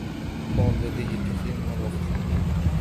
توم لديهِ الكثير من الوقت.